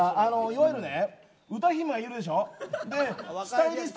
いわゆる歌姫、いるでしょ。